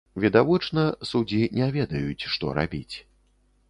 Відавочна, судзі не ведаюць, што рабіць.